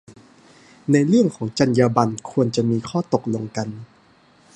ในเรื่องของจรรยาบรรณ ควรจะมีข้อตกลงกัน